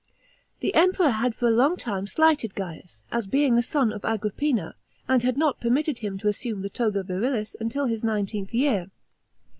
The Emperor had for a long time slighted Gaius, as being a son of Agrippina, and had not permitted him to assume the toga virilis until his nineteenth year.